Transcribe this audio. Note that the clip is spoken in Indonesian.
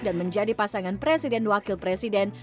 dan menjadi pasangan presiden wakil presiden